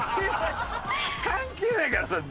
関係ないからそれ。